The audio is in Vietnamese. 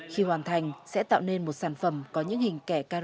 khi hoàn thành sẽ tạo nên một sản phẩm có những hình kẻ caro đồng tâm có viền chỉ